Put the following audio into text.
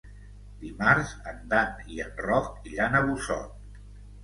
Dimarts en Dan i en Roc iran a Busot.